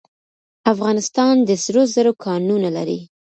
افغانستان د سرو زرو کانونه لري